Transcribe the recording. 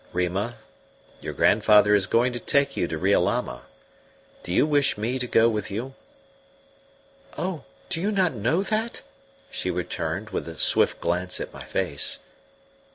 "Rima, your grandfather is going to take you to Riolama. Do you wish me to go with you?" "Oh, do you not know that?" she returned, with a swift glance at my face.